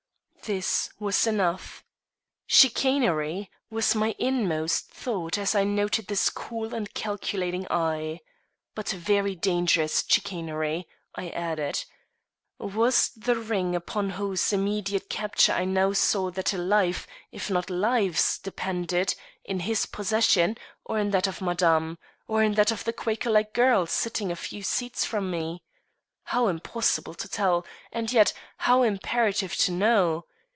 This was enough. "Chicanery!" was my inmost thought as I noted his cool and calculating eye. "But very dangerous chicanery," I added. Was the ring upon whose immediate capture I now saw that a life, if not lives, depended, in his possession, or in that of Madame, or in that of the Quaker like girl sitting a few seats from me? How impossible to tell, and yet how imperative to know!